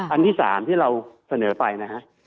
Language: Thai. อันที่๓ที่เราเสนอไปนะฮะ